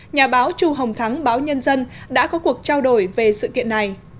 nhà báo chu hồng thắng báo nhân dân đã có cuộc trao đổi về sự kiện này